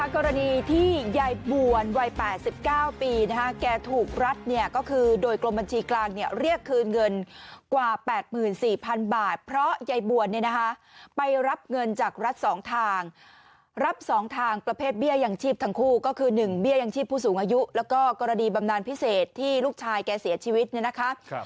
กรณีที่ยายบวนวัย๘๙ปีนะคะแกถูกรัดเนี่ยก็คือโดยกรมบัญชีกลางเนี่ยเรียกคืนเงินกว่า๘๔๐๐๐บาทเพราะยายบวนเนี่ยนะคะไปรับเงินจากรัฐ๒ทางรับ๒ทางประเภทเบี้ยยังชีพทั้งคู่ก็คือ๑เบี้ยยังชีพผู้สูงอายุแล้วก็กรณีบำนานพิเศษที่ลูกชายแกเสียชีวิตเนี่ยนะคะ